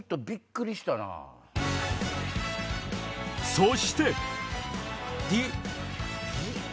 そして「義」。